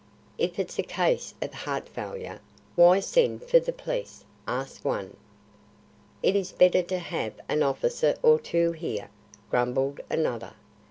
"If it's a case of heart failure, why send for the police?" asked one. "It is better to have an officer or two here," grumbled another.